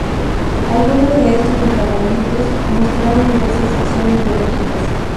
Algunos de estos metabolitos mostraron diversas acciones biológicas.